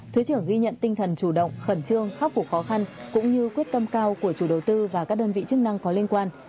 thứ trưởng ghi nhận tinh thần chủ động khẩn trương khắc phục khó khăn cũng như quyết tâm cao của chủ đầu tư và các đơn vị chức năng có liên quan